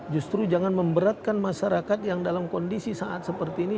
justru jangan memberatkan masyarakat yang dalam kondisi saat seperti ini